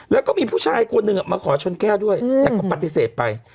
แล้วก็มีผู้ชายคนหนึ่งมาขอชนแก้วด้วยแต่ก็ปฏิเสธไป